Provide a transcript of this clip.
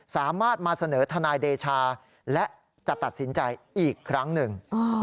สามารถมาเสนอทนายเดชาและจะตัดสินใจอีกครั้งหนึ่ง